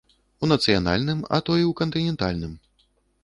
У нацыянальным, а то і ў кантынентальным.